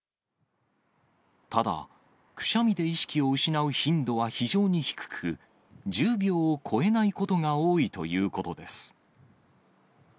ただ、くしゃみで意識を失う頻度は非常に低く、１０秒を超えないことが多いということです。